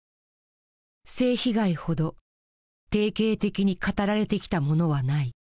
「性被害ほど定型的に語られてきたものはない」。